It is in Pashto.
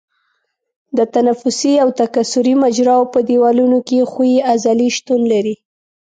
د تنفسي او تکثري مجراوو په دیوالونو کې ښویې عضلې شتون لري.